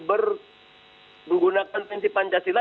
berguna ke prinsip pancasila